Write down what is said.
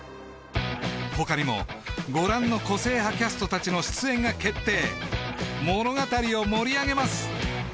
他にもご覧の個性派キャストたちの出演が決定物語を盛り上げます